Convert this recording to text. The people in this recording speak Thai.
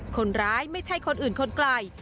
คนร้ายไม่ใช่คนอื่นคนไกล